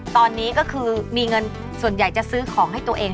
ตอนนี้ก็คือมีเงินส่วนใหญ่จะซื้อของให้ตัวเอง